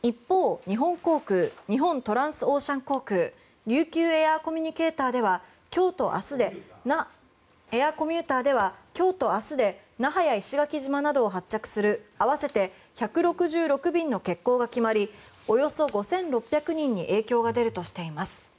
一方、日本航空日本トランスオーシャン航空琉球エアーコミューターでは今日と明日で那覇や石垣島などを発着する合わせて１６６便の欠航が決まりおよそ５６００人に影響が出るとしています。